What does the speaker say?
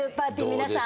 皆さん。